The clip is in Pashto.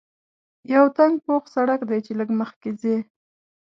یو تنګ پوخ سړک دی چې لږ مخکې ځې.